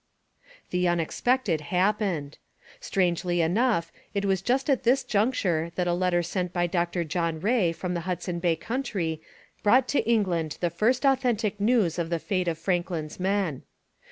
The unexpected happened. Strangely enough, it was just at this juncture that a letter sent by Dr John Rae from the Hudson Bay country brought to England the first authentic news of the fate of Franklin's men.